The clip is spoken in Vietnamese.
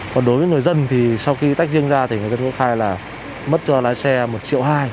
còn đối với người dân thì sau khi tách riêng ra thì người ta thu khai là mất cho lái xe một triệu hai